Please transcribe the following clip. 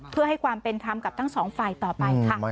เพื่อให้ความเป็นครามต่อไปต่อกลักษณ์ใด